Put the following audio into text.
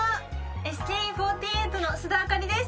ＳＫＥ４８の須田亜香里です。